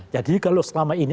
jadi kalau selama ini